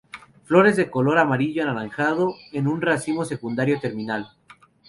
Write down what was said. Flores de color amarillo anaranjado, en un racimo secundario, terminal.